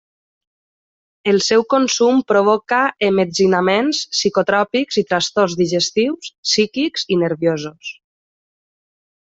El seu consum provoca emmetzinaments psicotròpics i trastorns digestius, psíquics i nerviosos.